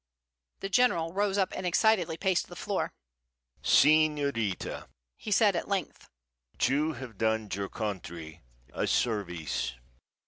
The General rose up and excitedly paced the floor. "Señorita!" he said, at length, "you have done your country a service.